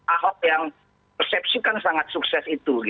ahok yang persepsikan sangat sukses itu